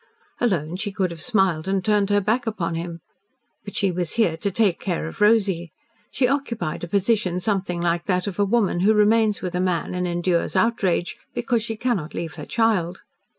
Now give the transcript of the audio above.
Alone, she could have smiled and turned her back upon him. But she was here to take care of Rosy. She occupied a position something like that of a woman who remains with a man and endures outrage because she cannot leave her child.